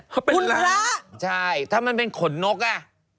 เขาเป็นพระใช่ถ้ามันเป็นขนนกอ่ะ